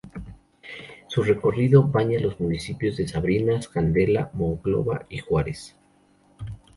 Su recorrido baña los municipios de Sabinas, Candela, Monclova y Juárez.